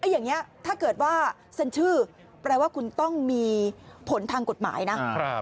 อย่างนี้ถ้าเกิดว่าเซ็นชื่อแปลว่าคุณต้องมีผลทางกฎหมายนะ